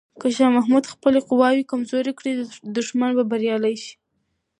که شاه محمود خپلې قواوې کمزوري کړي، دښمن به بریالی شي.